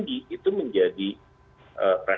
dan itu menjadi konsumen